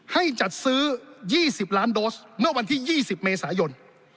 ให้จัดซื้อ๒๐ล้านโดสเมื่อวันที่๒๐เมษายน